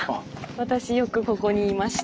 私よくここにいました。